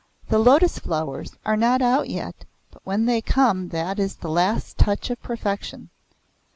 "The lotus flowers are not out yet but when they come that is the last touch of perfection.